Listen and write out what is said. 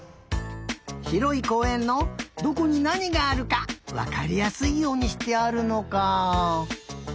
ひろいこうえんのどこになにがあるかわかりやすいようにしてあるのか。